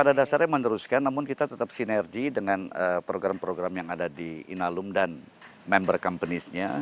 pada dasarnya meneruskan namun kita tetap sinergi dengan program program yang ada di inalum dan member companies nya